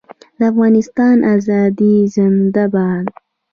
د افغانستان ازادي زنده باد.